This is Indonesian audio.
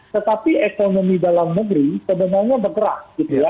tetapi ekonomi dalam negeri sebenarnya bergerak gitu ya